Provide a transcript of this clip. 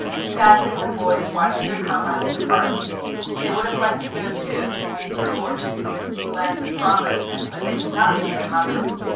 Sadly the boys watched their comrades depart. They would have liked to go, too, to seek their fortunes in this new land of promise, but they could not leave their mother.